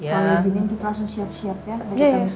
kalau izinin kita langsung siap siap ya